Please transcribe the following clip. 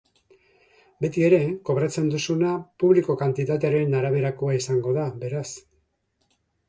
Betiere, kobratzen duzuna publiko kantitatearen araberakoa izango da, beraz.